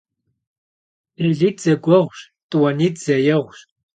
ДелитӀ зэгуэгъущ, тӀуанитӀ зэегъущ.